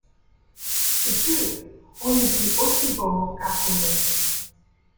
De plus, on le dit aussi beau qu'Apollon.